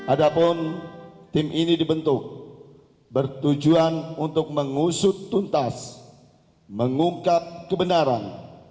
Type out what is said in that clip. adapun tim ini dibentuk bertujuan untuk mengusut tuntas mengungkap kebenaran